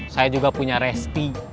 saya juga punya resti